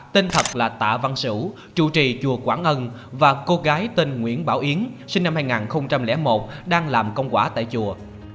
tên thật là tạ văn sĩu chủ trì chùa quảng ân và cô gái tên nguyễn bảo yến sinh năm hai nghìn một đang làm công quả tại chùa